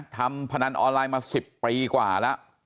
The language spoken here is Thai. พนันออนไลน์มา๑๐ปีกว่าแล้ว